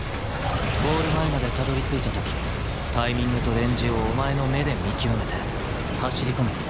ゴール前までたどり着いた時タイミングとレンジをお前の目で見極めて走り込め